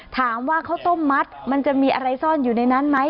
ถามว่าข้าวต้มมัดมันจะมีอะไรซ่อนอยู่ในนั้นไหม